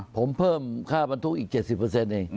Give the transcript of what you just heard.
ผมเพิ่มค่าบรรทุกอีก๗๐เอง